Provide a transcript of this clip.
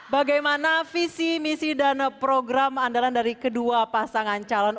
bagaimana visi misi dan program andalan dari kedua pasangan calon